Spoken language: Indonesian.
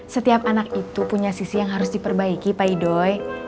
setiap anak itu punya sisi yang harus diperbaiki pak idoy